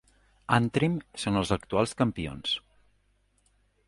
Antrim són els actuals campions.